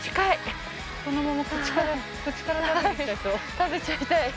食べちゃいたい。